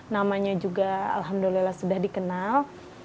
namanya juga alhamdulillah sudah dikenal